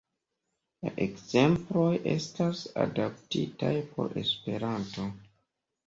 La ekzemploj estas adaptitaj por Esperanto.